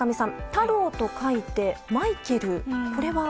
「太郎」と書いてマイケル、これは？